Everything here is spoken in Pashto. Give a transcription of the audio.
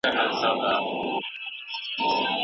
ستاسو په وجود کي به انرژي زیاتیږي.